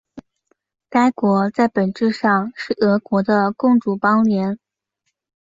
该国在本质上是俄国的共主邦联。